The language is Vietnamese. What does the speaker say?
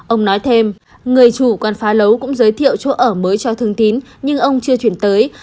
ông nói thêm người chủ con phá lấu cũng giới thiệu chỗ ở mới cho thương tín nhưng ông chưa chuyển tới